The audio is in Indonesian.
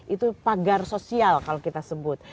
itu pagar sosial kalau kita sebut